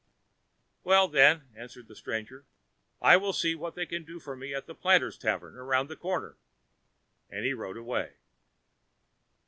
"Well, then," answered the stranger, "I will see what they can do for me at the Planters' Tavern, round the corner;" and he rode away.